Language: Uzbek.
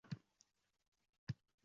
Ishga ijodiy yondoshing.